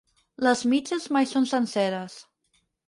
Les mitges mai són senceres.